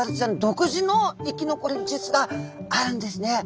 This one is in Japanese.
独自の生き残り術があるんですね。